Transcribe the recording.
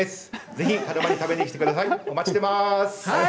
ぜひ鹿沼に食べに来てください。